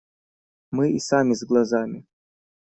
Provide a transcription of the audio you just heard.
Мы и сами с глазами.